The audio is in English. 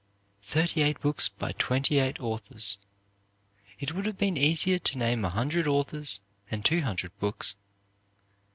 Thirty eight books by twenty eight authors. It would have been easier to name a hundred authors and two hundred books.